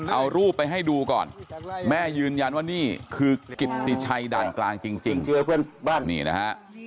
เอารูปไปให้ดูก่อนแม่ยืนยันว่านี่คือกิตติชัยด่านกลางจริงนี่นะฮะ